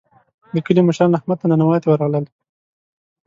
د کلي مشران احمد ته ننواتې ورغلل.